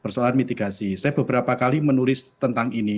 saya beberapa kali menulis tentang ini